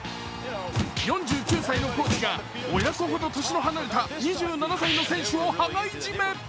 ４９歳のコーチが親子ほど年の離れた２７歳の選手を羽交い締め。